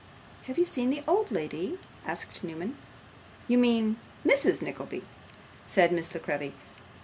'Have you seen the old lady?' asked Newman. 'You mean Mrs. Nickleby?' said Miss La Creevy.